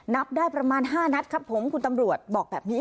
นับได้ประมาณ๕นัดครับผมคุณตำรวจบอกแบบนี้